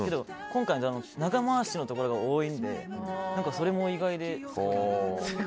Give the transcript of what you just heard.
今回のドラマ長回しのところが多いのでそれも意外で。